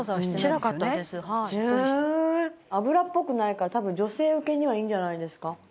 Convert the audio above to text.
脂っぽくないから多分女性ウケにはいいんじゃないですか？